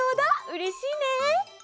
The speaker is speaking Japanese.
うれしいね！